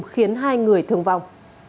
khiến hai người thương vong